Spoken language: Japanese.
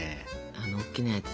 あのおっきなやつ？